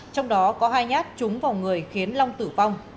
trong đó có hai nhát trúng vào người khiến long tử vong